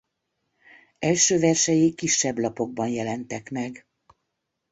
Első versei kisebb lapokban jelentek meg.